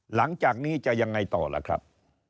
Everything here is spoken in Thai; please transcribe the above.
หลังจากนี้จะยังไงต่อล่ะครับ